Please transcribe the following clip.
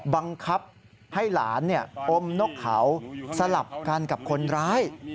บังคับให้หลานอมนกเขาสลับกันกับคนร้าย